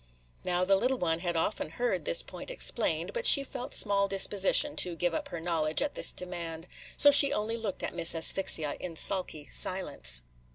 '" Now the little one had often heard this point explained, but she felt small disposition to give up her knowledge at this demand; so she only looked at Miss Asphyxia in sulky silence.